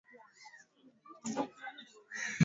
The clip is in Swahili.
Anamaliza ku yenga nyumba yake leo